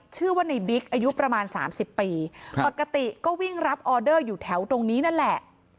ชื่อว่าในบิ๊กอายุประมาณสามสิบปีปกติก็วิ่งรับออเดอร์อยู่แถวตรงนี้นั่นแหละ